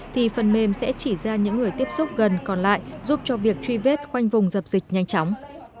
thì phần mềm sẽ chỉ ra những người tiếp xúc gần còn lại giúp cho việc truy vết khoanh vùng dập dịch nhanh chóng